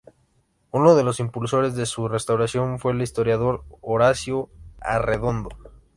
Uno de los impulsores de su restauración fue el historiador Horacio Arredondo.